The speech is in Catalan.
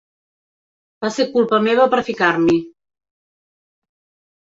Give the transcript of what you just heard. Va ser culpa meva per ficar-m'hi.